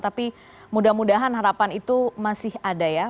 tapi mudah mudahan harapan itu masih ada ya